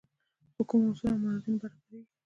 په کومو اصولو او موازینو برابرېږي.